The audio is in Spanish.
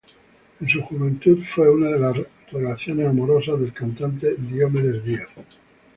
En su juventud fue una de las relaciones amorosas del cantante Diomedes Díaz.